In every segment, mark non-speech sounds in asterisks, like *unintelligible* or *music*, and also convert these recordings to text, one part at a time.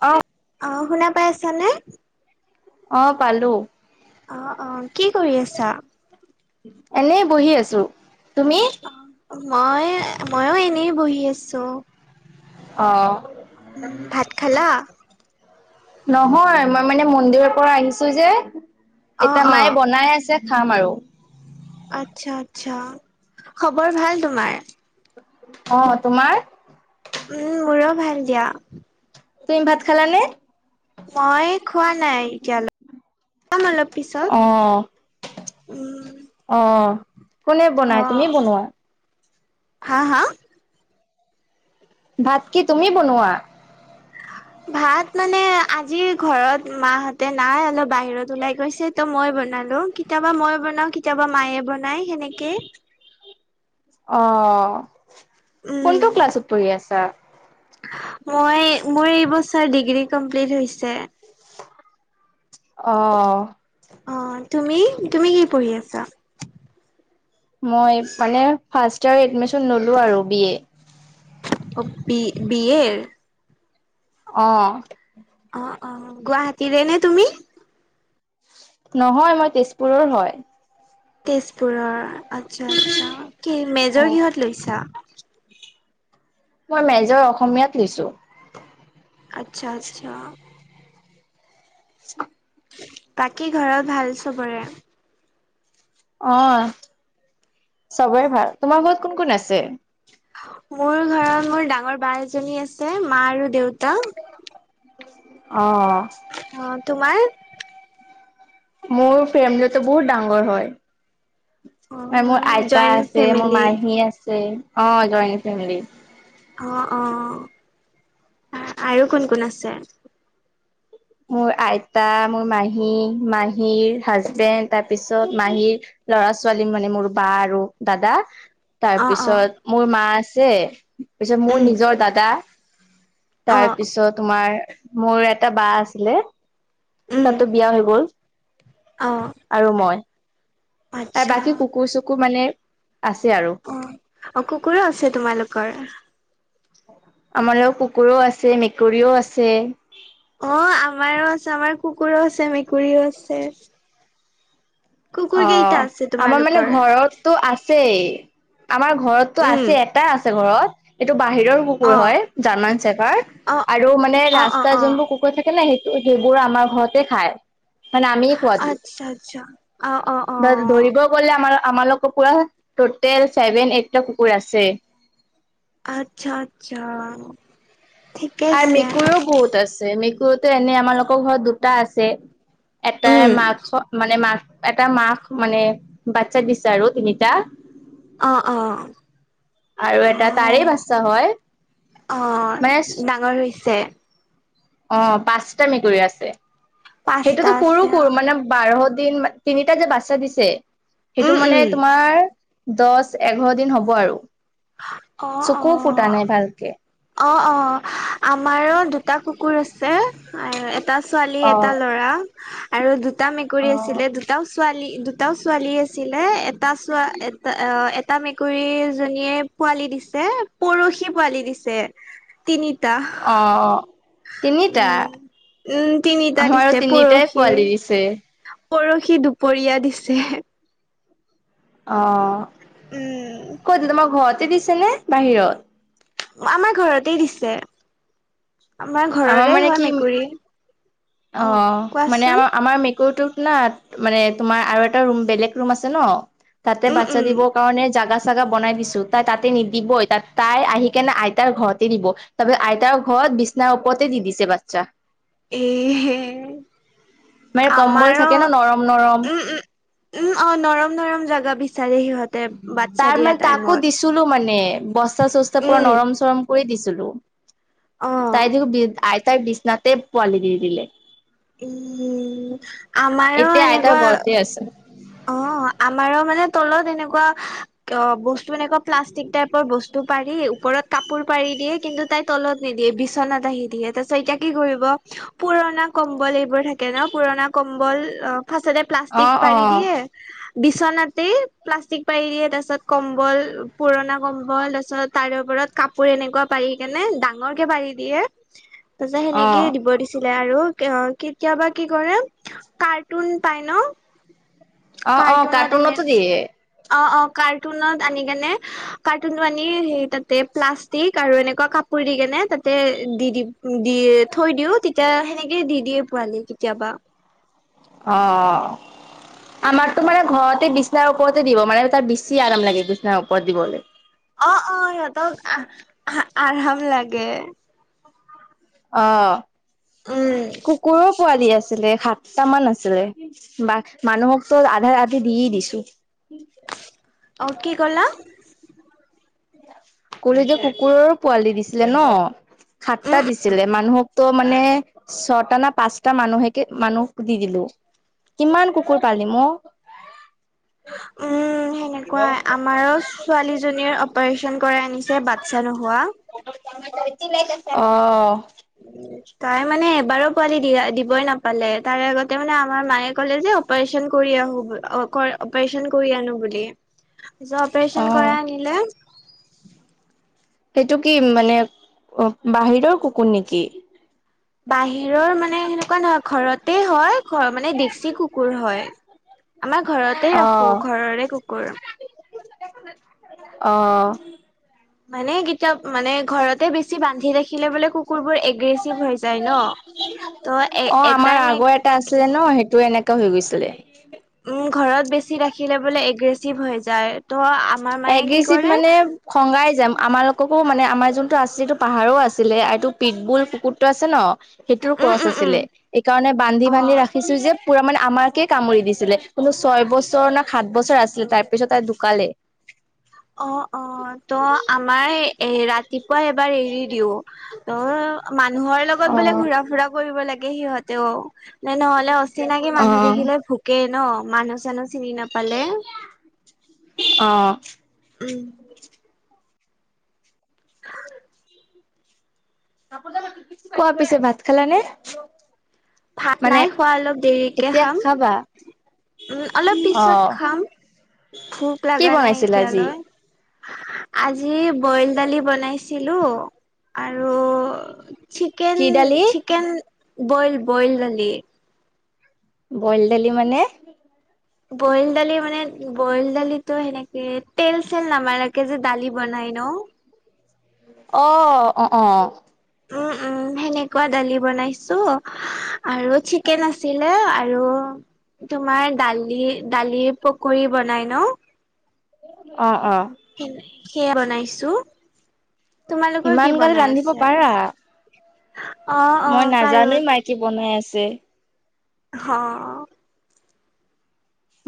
অ' অ', শুনা পাই আছা নে? অ', পালোঁ। অ', অ', কি কৰি আছা? এনেই বহি আছোঁ। তুমি? মই- ময়ো এনেই বহি আছোঁ। অ'। উম, ভাত খালা? নহয়, মই মানে মন্দিৰৰ পৰা আহিছোঁ যে, অ এতিয়া অ মায়ে বনাই আছে। খাম আৰু। আচ্ছা, আচ্ছা। খবৰ ভাল তোমাৰ? অ', তোমাৰ? উম, মোৰো ভাল দিয়া। তুমি ভাত খালা নে? মই খোৱা নাই এতিয়ালৈ, খাম অলপ পিছত। অ', উম। অ', কোনে অ বনাই, তুমি বনোৱা? হা, হা! ভাত কি তুমি বনোৱা? ভাত মানে আজি ঘৰত মাহঁতে নাই অলপ বাহিৰত ওলাই গৈছে ত' মই বনালোঁ। কেতিয়াবা মই বনাওঁ, কেতিয়াবা মায়ে বনাই সেনেকেই। অ', কোনটো উম ক্লাছত পঢ়ি আছা? মই মোৰ এইবছৰ ডিগ্ৰী কমপ্লিট হৈছে। অ'। অ', তুমি, তুমি কি পঢ়ি আছা? মই মানে ফাৰ্ষট ইয়াৰ এডমিচন ল'লো আৰু বি এ। অ', বি-বি এৰ। অ'। অ', অ', গুৱাহাটীৰে নে তুমি? নহয়, মই তেজপুৰৰ হয়। তেজপুৰৰ। আচ্ছা, আচ্ছা। কি মেজৰ অ', কিহত লৈছা? মই মেজৰ অসমীয়াত লিছোঁ। আচ্ছা আচ্ছা। *inaudible* বাকী ঘৰত ভাল চবৰে? অ' চবেই ভাল। তোমাৰ ঘৰত কোন কোন আছে? মোৰ ঘৰত মোৰ ডাঙৰ বা এজনী আছে, মা আৰু দেউত। অ'। অ' তোমাৰ? মোৰ ফেমলিটো বহুত ডাঙৰ হয়। মোৰ অ' আইতা জইণ্ট আছে, মোৰ ফেমিলি মাহী আছে অ' জইন ফেমিলি। অ' অ' আৰু কোন কোন আছে? মোৰ আইতা, মোৰ মাহী, মাহীৰ হাজবেণ্ড তাৰপিছত মাহীৰ লৰা ছোৱালী মানে মোৰ বা আৰু দাদা। অ' অ' তাৰপিছত মোৰ মা আছে তাৰ পিছত উম মোৰ নিজৰ দাদা। অ' তাৰপিছত তোমাৰ মোৰ এটা বা আছিলে তাতো বিয়া হৈ গ'ল। অঁ, আৰু মই আৰু বাকী কুকুৰ, চুকুৰ মানে আছে আৰু। অ' অ' কুকুৰো আছে তোমালোকৰ। আমাৰ লগ কুকুৰও আছে মেকুৰীও আছে। অ' আমাৰো আছে আমাৰ কুকুৰো আছে মেকুৰীও আছে। কুকুৰ কেইটা অ' আছে আমাৰ মানে তোমালোকৰ ঘৰত তো আছেই আমাৰ ঘৰতটো উম আছে এটাই আছে ঘৰত। এইটো বাহিৰৰ অ কুকুৰ হয় জাৰ্মান চেফাৰ অ আৰু মানে অ অ ৰাস্তাৰ অ যোনবোৰ কুকুৰ কৈ থাকে ন সেইটো সেইবোৰ আমাৰ ঘৰতে খায়। মানে আমিয়ে খোৱা আচ্ছা আচ্ছা অ', অ', অ', ধৰিব গলে আমাৰ আমাৰলোকৰ পৰা টোটেল ছেভেন এইটটা কুকুৰ আছে। আচ্ছা আচ্ছা, ঠিকে আৰু আছে মেকুৰীও বহুত আছে মেকুৰীতো এনে আমাৰলোকৰ ঘৰত দুটা আছে। এটাই উম মাক মানে মাক এটা মাক মানে বাচ্ছা দিছে আৰু তিনিটা। অ' অ' আৰু অ এটা তাৰে বাচ্ছা হয়। মানে অ' ডাঙৰ হৈছে, অ' পাঁচটা মেকুৰী আছে পাঁচটা সেইটোতো সৰু আছে অ সৰু মানে বাৰ দিন তিনিটা যে বাচ্ছা দিছে উম সেইটো মানে উম তোমাৰ দহ এঘাৰ দিন হ'ব আৰু। অ' চকু ফুটা নাই ভালকে অ' অ' অ' আমাৰো দুটা কুকুৰ আছে। এটা ছোৱালী অ এটা ল'ৰা আৰু দুটা অ মেকুৰী আছিলে দুটা দুটাও ছোৱালী দুটাও ছোৱালী আছিলে এটা চোৱা এটা টা মেকুৰীজনীয়ে পোৱালি দিছে পৰহি পোৱালি দিছে তিনিটা। অ' তিনিটা! উম, উম, তিনিটা আমাৰো দিছে তিনিটাই পৰহি। পোৱালি দিছে। পৰহি দুপৰীয়া দিছে। অ' উম, ক'ত তোমাক ঘৰতে দিছে নে বাহিৰত? আমাৰ ঘৰতেই দিছে। আমাৰ ঘৰৰে মানে হয় কি মেকুৰী। অ' মানে আমাৰ আমাৰ মেকুৰীটোত না মানে তোমাৰ আৰু এটা ৰুম বেলেগ ৰুম আছে ন তাতে উম, বাচ্ছা উম, দিব কাৰণে জাগা জেগা বনাই দিছো তাই তাতে নিদিবই ত তাই আহি কেনে আইতাৰ ঘৰতে দিব। তাৰপিছত আইতাৰ ঘৰত বিচনাৰ ওপৰতে দি দিছে বাচ্ছা। এহে মানে কম্বল আমাৰো থাকে ন নৰম নৰম উম, উম, উম অ' নৰম নৰম জেগা বিচাৰে সিহঁত। তাৰ মানে তাকো দিছ ছিলো মানে বস্তা চস্তা পুৰা উম নৰম চৰম কৰি দিছিলো। অ তাইদক বি আইতাৰ বিচনাতে পোৱালি দি দিলে। উম আমাৰো এতিয়া আইতাৰ এনেকুৱা ঘৰতে আছে অ আমাৰো মানে তলত এনেকুৱা অ' বস্তু এনেকুৱা প্লাষ্টিক টাইপৰ বস্তু পাৰি ওপৰত। কাপোৰ পাৰি দিয়ে কিন্তু তাই তলত নিদিয়ে বিচনাত আহি দিয়ে তাৰ পিছত এতিয়া কি কৰিব। পুৰণা কম্বল এইবোৰ থাকে ন পুৰণা কম্বল ফাষ্টতে অ প্লাষ্টিক অ পাৰি। *unintelligible* বিচনাতেই প্লাষ্টিক পাৰি দিয়ে তাৰ পিছত কম্বল পুৰণা কম্বল তাৰ পাছত তাৰে ওপৰত কাপোৰ এনেকুৱা পাৰি কেনে ডাঙৰকে পাৰি দিয়ে তাৰ পিছত অ সেনেকে দিব দিছে। ছিলে আৰু কেতিয়াবা কি কৰে কাৰ্টুন পাই ন, অ' অ', কাৰ্টুনত এনে কাৰ্টুনতো দিয়ে। অ' অ' কাৰ্টুনত আনি কেনে, কাৰ্টুনটো আনি, সেই তাতে প্লাষ্টিক আৰু এনেকুৱা কাপোৰ দি কেনে তাতে দি দিম। দিয়ে থৈ দিও, তেতিয়া সেনেকে দি দিয়ে পোৱালি কেতিয়াবা। অ, আমাৰতো মানে ঘৰতে বি - বিচনাৰ ওপৰতে দিব, মানে তাত বেছি আৰাম লাগে বিচনাৰ ওপৰত দিবলৈ। অ' অ', সিহঁতক আহ আৰাম লাগে। অ, উম। কুকুৰৰ পোৱালি আছিলে সাত- তামান আছিলে বা মানুহকতো আধাৰ আধি দিয়েই দিছো। অঁ, কি ক'লা? কলো যে কুকুৰৰো পোৱালি দিছিলে ন? সাতটা উম, দিছিলে, মানুহকতো মানে ছটা না পাঁচটা মানুহেকে মানুহ দি দিলো। কিমান কুকুৰ পালিম অ। উম সেনেকুৱাই। আমাৰ ছোৱালী জনীৰ অপাৰচন কৰাই আনিছে বাচ্ছা নোহোৱা। অ। তাই মানে এবাৰো পোৱালি দা দিবই নাপালে, তাৰ আগতে মানে আমাৰ মায়ে ক'লে যে অপ অপাৰচন কৰি আহো অ' অপাৰচন কৰি আনো বুলি। পিছত অপাৰচন অ'। কৰাই আনিলে। সেইটো কি মানে বাহিৰৰ কুকুৰ নেকি? বাহিৰৰ মানে সেনেকুৱা নহয়, ঘৰতে হয়, ঘৰ মানে ডেচী কুকুৰ হয়। আমাৰ ঘৰতেই ৰাখো, অ'। ঘৰৰে কুকুৰ। অ'। মানে কিতা মানে ঘৰতে বেছি বান্ধি ৰাখিলে বোলে কুকুৰবোৰ এগ্ৰেচিভ হৈ যায় ন। ত এ অ' এটাই আমাৰ মে আগৰ এটা আছিলে ন, সেইটো এনেকা হৈ গৈছিলে। উম ঘৰত বেছি ৰাখিলে বোলে এগ্ৰেচিভ হৈ যায়। ত' আমাৰ মায়ে কি এগ্ৰেচিভ কৰে, মানে খঙাই যাম, আমাৰালোককো মানে আমাৰ যোনটো আচিটো পাহাৰো আছিলে, এইটো পিটবুল কুকুৰটো আছে ন, সেইটোৰ উম কৰ্চ উম উম আছিলে, এইকাৰণে বান্ধি অ বান্ধি ৰাখ। কিছো যে পুৰা মানে আমাকে কামুৰি দিছিলে, কিন্তু ছয় বছৰ ন সাত বছৰ আছিল তাৰ পিছত তাই ঢোকালে। অ অ ত আমাৰ এ ৰাতিপুৱাই এবাৰ এৰি দিও। ত মানুহৰ লগত বোলে অ', ঘূৰা ফুৰা কৰিব লাগে সিহঁতেও। নহলে অচিনাকি মানুহ অ', দেখিলে ভোকে ন মানুহ চানুহ চিনি নাপালে। অঁ। উম। *inaudible* কোৱা পিছে ভাত খেলা নে? ভাত নাইখোৱা অলপ দেৰিকে এতিয়া খাম। খাবা? উম অলপ অ'। পিছত খাম ভোক কি লগা নাই বনাইছিল আজি? এতিয়ালৈ। আজি বইল দালি বনাইছিলো। আৰু কি চিকেন দালি? চিকেন বইল বইল দালি। বইল দালি মানে? বইল দালি মানে বইল দালিটো সেনেক কে তেল চেল নামাৰাকে যে দালি বনাই ন অঁ অ অ। উম উম। সেনেকুৱা দালি বনাইছো আৰু চিকেন আছিলে আৰু তোমাৰ দালি দালিৰ পকৰি বনাই ন। অ অ। সেয়াই বনাইছো। তোমালোকৰ ইমান কি গাল বনাই ৰান্ধিব আছে? পাৰা? অ অ মই পাৰো নাজানোৱেই মাই কি বনাই আছে। অহ।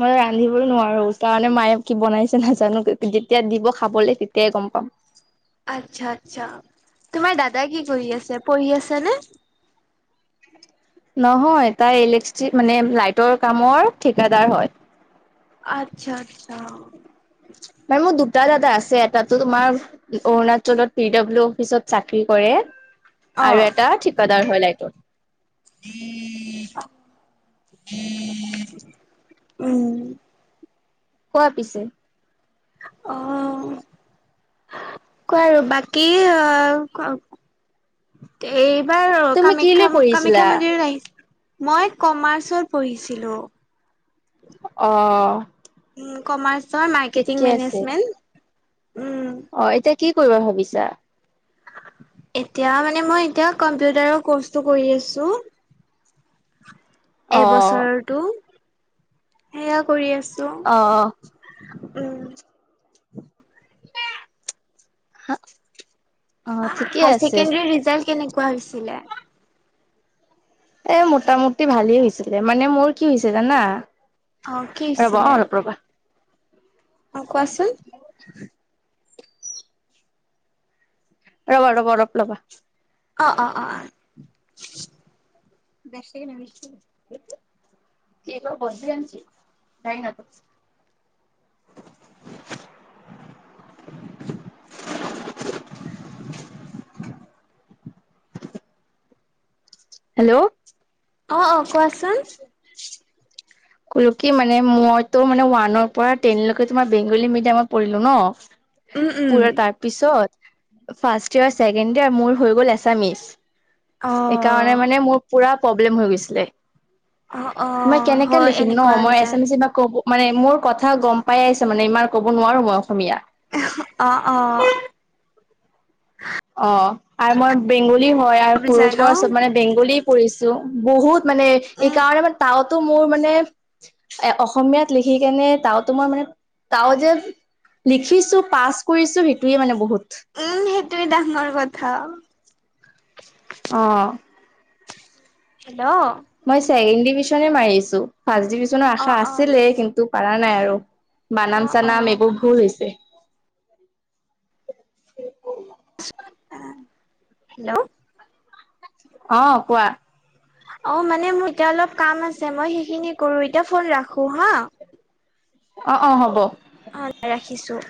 মই ৰান্ধিবলৈ নোৱাৰো কাৰনে মায়ে কি বনাইছে নাজানো যেতিয়া দিব খাবলৈ তেতিয়াই গম পাম। আচ্ছা আচ্ছা, তোমাৰ দাদাই কি কৰি আছে পঢ়ি আছ নে? নহয় তাৰ ইলেকচি মানে লাইটৰ কামৰ ঠিকাদাৰ হয়। আচ্ছা আচ্ছা। নহয় মোৰ দুটা দাদা আছে, এটাটো তোমাৰ অৰুণাচলত পি ডাব্লিউ অফিচত চাকৰি কৰে। অ আৰু এটা ঠিকাদাৰ হয় লাইটৰ। উম। কোৱা পিছে? অঁ। কোৱা আৰু বাকী অঁ ক এইবাৰ তুমি কি লৈ কামাখ্যা পঢ়িছিলা? কামাখ্যা মন্দিৰত আহিছে মই কমাৰ্চত পঢ়িছিলোঁ। অঁ। উ কমাৰ্চৰ মাৰ্কেটিং মেনেজমেন্ট উম। অঁ এতিয়া কি কৰিব ভাবিছা? এতিয়া মানে মই এতিয়া কম্পিউটাৰৰ ক'ৰ্চটো কৰি আছো। অ এবছৰতো সেয়া কৰি আছো। অ উম। হা হায় ছেকেণ্ডাৰী ৰিজাল্ট কেনেকুৱা হৈছিলে? এ মোটামুটি ভালেই হৈছিলে, মানে মোৰ কি হৈ হৈছে জানা অ' কি ৰ'বা অ হৈছিলে? অলপ ৰ'বা অ' কোৱাচোন ৰ'বা ৰ'বা অলপ ৰ'বা। অ অ অ অ *unintelligible* হেল্ল' অ অ কোৱাচোন কলো কি মানে মইতো মানে ওৱানৰ পৰা টেনলৈকে তোমাৰ বেংগলী মিডিয়ামত পঢ়িলো ন উ উম *unintelligible* উম পোৰা তাৰ পিছত ফাৰ্ষ্ট ইয়েৰ ছেকেণ্ড ইয়েৰ মোৰ হৈ গ'ল এছামিচ। অ সেইকাৰণে মানে মোৰ পোৰা প্ৰব্লেম হৈ গৈছিলে। অ অ মই কেনেকে হয় লিখিম ন এনেকুৱা মই ৰিজাল্ট এছামিছ ক'ব মানে মোৰ কথা গম পাই আছে মানে ইমান ক'ব নোৱাৰো মই অসমীয়া অ অ অ আৰু মই বেংগলী হয় আৰু সৰু যায় ন পৰা চব মানে বেংগলী পঢ়িছো বহুত মানে উম এইকাৰণে মান তাৱতো মোৰ মানে এ অসমীয়াত লিখি কেনে তও তো মাৰ মানে তাও যে লিখিছো পাছ কৰিছো সেইটোৱে মানে বহুত। *unintelligible* ডাঙৰ কথা অ হেল্ল' মই ছেকেণ্ড ডিভিশনে মাৰিছো ফাৰ্ষ্ট ডিভিশনৰ অ অ আশা আছিলে কিন্তু পাৰা নাই আৰু। অ বানাম অ চানাম এইবোৰ ভুল হৈছে। হেল্ল' অ' কোৱা। অ মানে মোৰ এতিয়া অলপ কাম আছে মই সেইখিনি কৰো এতিয়া ফোন ৰাখো হা। অ অ হ'ব অ' ৰাখিছো।